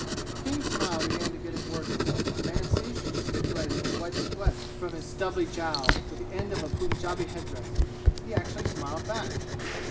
King's smile began to get its work in. The man ceased gesticulating to wipe sweat from his stubbly jowl with the end of a Punjabi headdress. He actually smiled back.